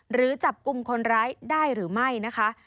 หรือจับกลุ่มคนร้ายได้หรือไม่นะคะ